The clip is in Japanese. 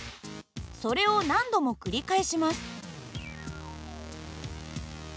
それを何度も繰り返します。